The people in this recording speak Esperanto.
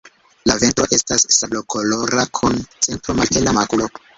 La ventro estas sablokolora kun centra malhela makulo.